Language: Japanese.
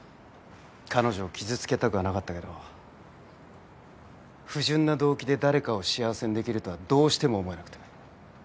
彼女を傷つけたくはなかったけど不純な動機で誰かを幸せにできるとはどうしても思えなくて。